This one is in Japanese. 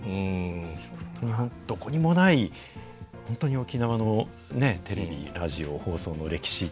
どこにもない本当に沖縄のねテレビラジオ放送の歴史